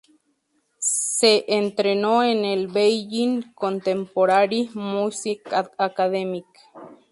Se entrenó en el "Beijing Contemporary Music Academy".